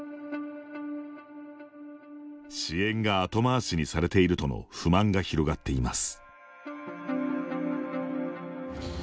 支援が後回しにされているとの不満が広がっています。